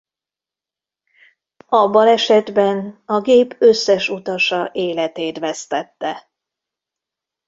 A balesetben a gép összes utasa életét vesztette.